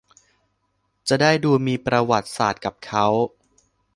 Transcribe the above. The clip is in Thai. จะได้ดูมีประวัติศาสตร์กับเค้า